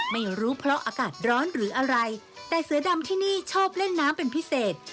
ไม่รู้เพราะอากาศร้อนหรืออะไรแต่เสือดำที่นี่ชอบเล่นน้ำเป็นพิเศษ